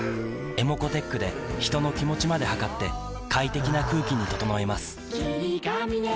ｅｍｏｃｏーｔｅｃｈで人の気持ちまで測って快適な空気に整えます